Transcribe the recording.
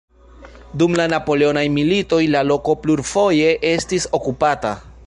Dum la Napoleonaj Militoj la loko plurfoje estis okupata.